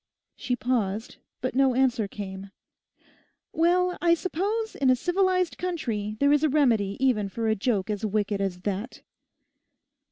She paused, but no answer came. 'Well, I suppose in a civilised country there is a remedy even for a joke as wicked as that.